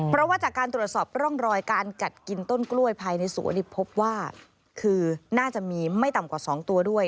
เพราะว่าจากการตรวจสอบร่องรอยการกัดกินต้นกล้วยภายในสวนพบว่าคือน่าจะมีไม่ต่ำกว่า๒ตัวด้วย